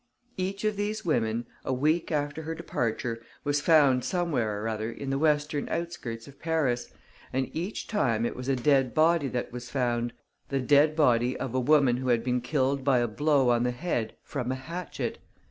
Each of these women, a week after her departure, was found somewhere or other in the western outskirts of Paris; and each time it was a dead body that was found, the dead body of a woman who had been killed by a blow on the head from a hatchet.